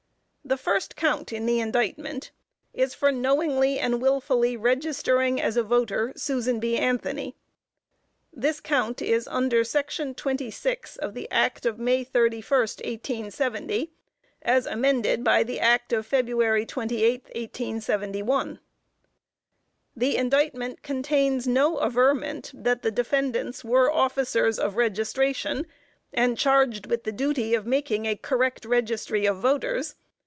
_ The first count in the indictment is for knowingly and wilfully registering as a voter, Susan B. Anthony. This count is under Section 26 of the Act of May 31, 1870, as amended by the Act of February 28, 1871. The indictment contains no averment that the defendants were "officers of registration," and charged with the duty of making a correct registry of voters.